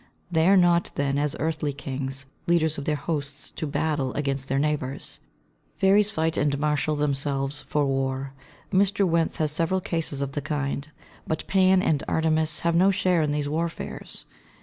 They are not, then, as earthly kings, leaders of their hosts to battle against their neighbours. Fairies fight and marshal themselves for war; Mr. Wentz has several cases of the kind. But Pan and Artemis have no share in these warfares.